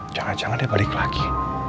jangan jangan dia balik lagi